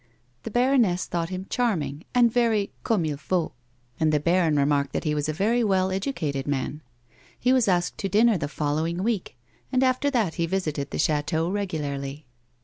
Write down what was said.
The baroness thought him charming and very comme il faut, and the baron remarked that he was a very well educated man. He was asked to dinner the following week, and after that he visited the chateau regularly.